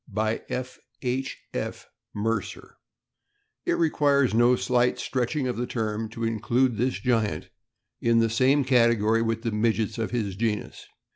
BY F. H. F. MERCER. IT requires no slight stretching of the term to include this giant in the same category with the midgets of his genus.